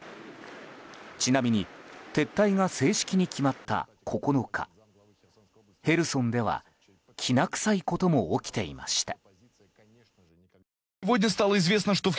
ちなみに撤退が正式に決まった９日ヘルソンでは、きな臭いことも起きていました。